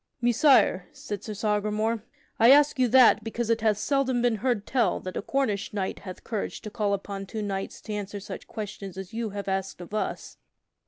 "Messire," said Sir Sagramore, "I ask you that because it hath seldom been heard tell that a Cornish knight hath courage to call upon two knights to answer such questions as you have asked of us."